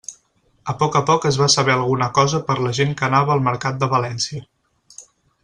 A poc a poc es va saber alguna cosa per la gent que anava al mercat de València.